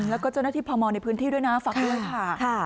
แล้วก็เจ้าหน้าที่พมในพื้นที่ด้วยนะฝากด้วยค่ะ